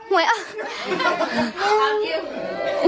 หวยออก